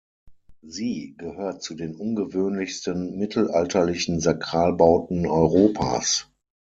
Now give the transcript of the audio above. Sie gehört zu den ungewöhnlichsten mittelalterlichen Sakralbauten Europas.